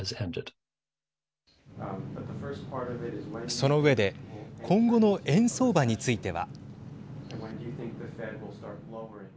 その上で今後の円相場については。